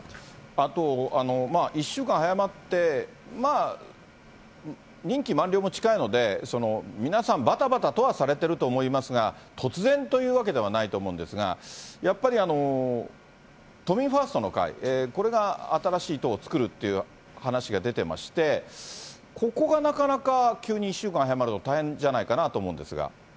あと、１週間早まって、まあ、任期満了も近いので、皆さん、ばたばたとはされているとは思いますが、突然というわけではないと思うんですが、やっぱり都民ファーストの会、これが新しい党を作るっていう話が出てまして、ここがなかなか、急に１週間早まると大変じゃないかなと思うんですが。